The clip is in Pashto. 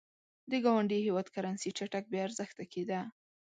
د ګاونډي هېواد کرنسي چټک بې ارزښته کېده.